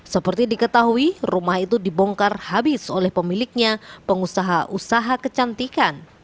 seperti diketahui rumah itu dibongkar habis oleh pemiliknya pengusaha usaha kecantikan